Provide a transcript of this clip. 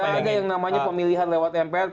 apakah ada yang namanya pemilihan lewat mpr